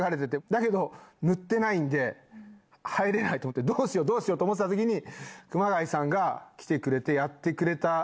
だけど塗ってないんで入れないどうしよう？と思ってた時に熊谷さんが来てくれてやってくれた。